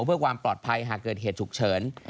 เพื่อความปลอดภัยหากเกิดเหตุฉุกเฉิน